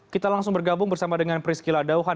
kita langsung bergabung bersama dengan priscila dauhan